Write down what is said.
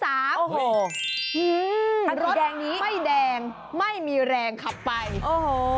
โอ้โหรถไม่แดงไม่มีแรงขับไปโอ้โห